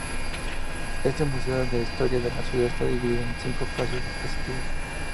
Este museo de historia de la ciudad está dividido en cinco espacios expositivos.